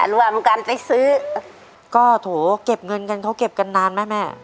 รู้ว่าเหมือนกันไปซื้อก็โถเก็บเงินกันเขาเก็บกันนานไหมแม่